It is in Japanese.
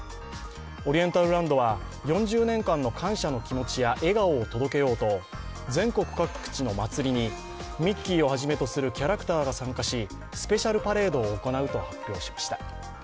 オリエンタルランドは４０年間の感謝の気持ちや笑顔を届けようと、全国各地の祭りにミッキーを初めとするキャラクターが参加し、スペシャルパレードを行うと発表しました。